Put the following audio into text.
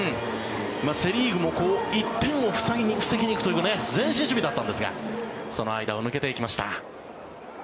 セ・リーグも１点を防ぎに行くという前進守備だったんですがその間を抜けていきました。